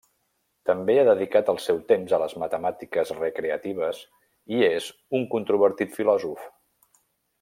També ha dedicat el seu temps a les matemàtiques recreatives i és un controvertit filòsof.